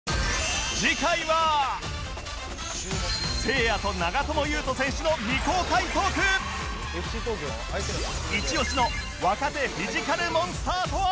せいやと長友佑都選手の未公開トークイチオシの若手フィジカルモンスターとは？